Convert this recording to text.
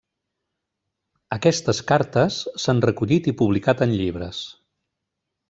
Aquestes cartes s'han recollit i publicat en llibres.